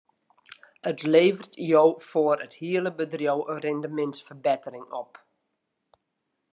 It leveret jo foar it hiele bedriuw in rindemintsferbettering op.